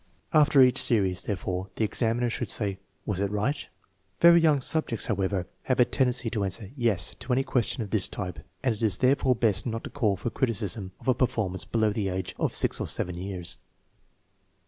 After each series, therefore, the examiner should say, " Was it right ?" l Very young subjects, however, have a tendency to answer " yes " to any question of this type, and it is therefore best not to call for criticism of a performance below the age of 6 or 7 years.